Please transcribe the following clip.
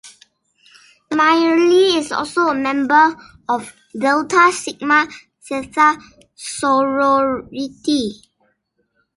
Myrlie is also a member of Delta Sigma Theta sorority.